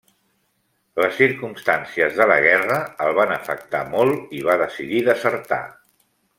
Les circumstàncies de la guerra el van afectar molt i va decidir desertar.